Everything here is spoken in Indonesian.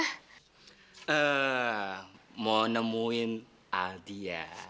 eh mau nemuin aldi ya